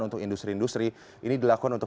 untuk industri industri ini dilakukan untuk